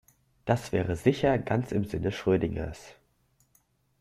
Das wäre sicher ganz im Sinne Schrödingers.